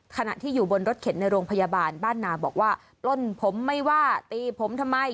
ขณะที่อยู่บนรถเข็นในโรงพยาบาลบ้านนาบอกว่าปล้นผมไม่ว่าตีผมทำไม